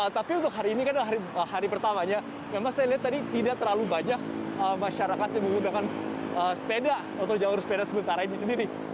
tapi untuk hari ini kan hari pertamanya memang saya lihat tadi tidak terlalu banyak masyarakat yang menggunakan sepeda atau jalur sepeda sementara ini sendiri